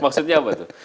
maksudnya apa itu